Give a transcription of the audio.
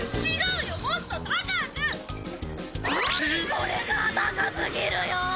これじゃあ高すぎるよ！